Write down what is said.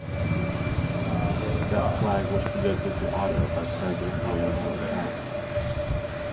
That flag was presented to Otto by President William Howard Taft.